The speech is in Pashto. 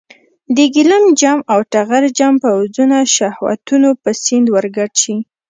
د ګیلم جم او ټغر جم پوځونه شهوتونو په سیند ورګډ شي.